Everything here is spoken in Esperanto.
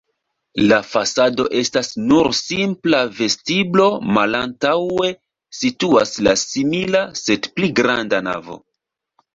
La fasado estas nur simpla vestiblo, malantaŭe situas la simila, sed pli granda navo.